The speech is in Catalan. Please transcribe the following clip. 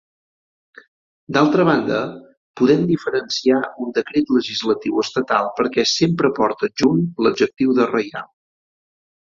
D'altra banda, podem diferenciar un decret legislatiu estatal perquè sempre porta adjunt l'adjectiu de reial.